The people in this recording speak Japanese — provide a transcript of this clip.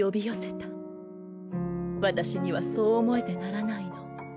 私にはそう思えてならないの。